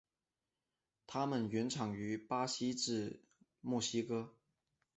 它们原产于巴西至墨西哥。